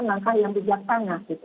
mangka yang bijak tanah